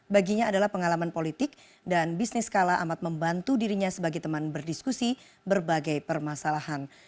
baginya adalah pengalaman politik dan bisnis kala amat membantu dirinya sebagai teman berdiskusi berbagai permasalahan